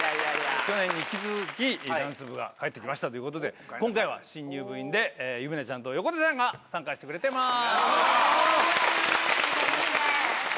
去年に引き続き、ダンス部が帰ってきましたということで、今回は新入部員で、今回は夢菜ちゃんと横田さんが参加してくれてます。